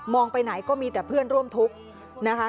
ไปไหนก็มีแต่เพื่อนร่วมทุกข์นะคะ